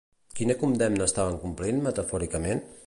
Quina condemna estaven complint, metafòricament?